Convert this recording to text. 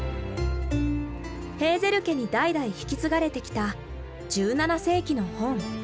ヘーゼル家に代々引き継がれてきた１７世紀の本。